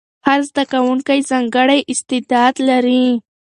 هر زده کوونکی ځانګړی استعداد لري.